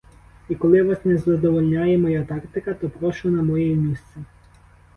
І коли вас не задовольняє моя тактика, то прошу на моє місце.